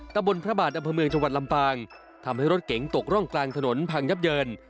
ตะบนพระบาทอำเภอเมืองจังหวัดลำปางทำให้รถเก๋งตกร่องกลางถนนพังยับเยิน